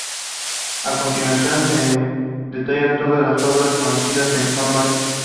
A continuación se detallan todas las obras conocidas de Juan Vásquez.